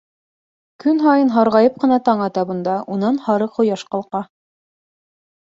Көн һайын һарғайып ҡына таң ата бында, унан һары ҡояш ҡалҡа.